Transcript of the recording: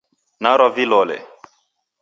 Narwa vilole